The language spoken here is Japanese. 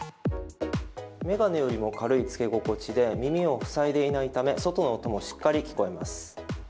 眼鏡よりも軽いつけ心地で耳を塞いでいないため、外の音もしっかり聞こえます。